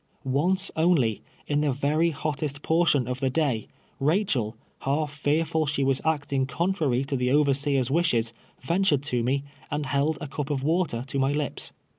Once only, in the very hottest i)ortion of the day, Eachel, half fearful she was acting con trary to the overseer's wishes, ventured to me, and held a cuj* of water to my li])s.